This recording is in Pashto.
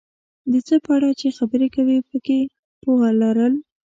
د څه په اړه چې خبرې کوې پکې پوهه لرل،